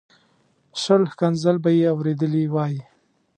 شل ښکنځل به یې اورېدلي وای.